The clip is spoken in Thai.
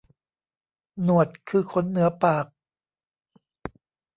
หนวดคือขนเหนือปาก